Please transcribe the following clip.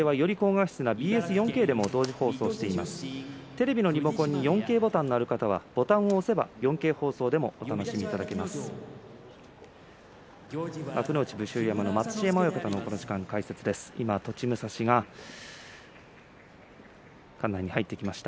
テレビのリモコンに４Ｋボタンがある方はボタンを押せば４Ｋ放送でもお楽しみいただけます。